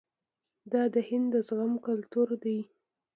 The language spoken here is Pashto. دا د هند د زغم کلتور دی.